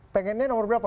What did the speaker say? pengennya nomor berapa